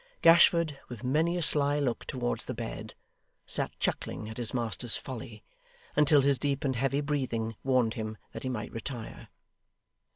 Gashford, with many a sly look towards the bed, sat chuckling at his master's folly, until his deep and heavy breathing warned him that he might retire.